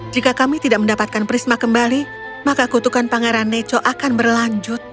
jika kami tidak mendapatkan prisma kembali maka kutukan pangeran neco akan berlanjut